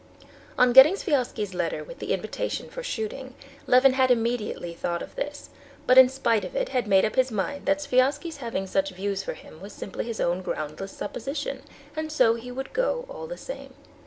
On getting Sviazhsky's letter with the invitation for shooting, Levin had immediately thought of this; but in spite of it he had made up his mind that Sviazhsky's having such views for him was simply his own groundless supposition, and so he would go, all the same.